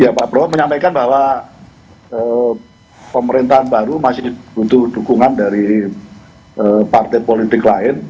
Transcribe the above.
ya pak prabowo menyampaikan bahwa pemerintahan baru masih butuh dukungan dari partai politik lain